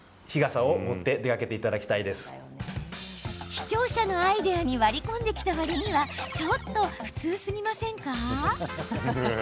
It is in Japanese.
視聴者のアイデアに割り込んできたわりにはちょっと普通すぎませんか。